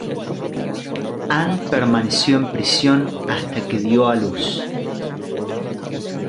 Anne permaneció en prisión hasta que dio a luz.